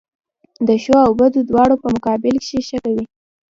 د ښو او بدو دواړو په مقابل کښي ښه کوئ!